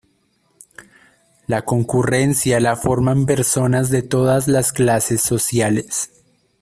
La concurrencia la forman personas de todas las clases sociales.